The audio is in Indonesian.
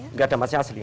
enggak ada masih asli